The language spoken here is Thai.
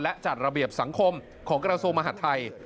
และจัดระเบียบสังคมของกราศูนย์มหาธัย